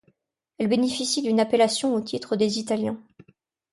Elle bénéficie d'une appellation au titre des italiens.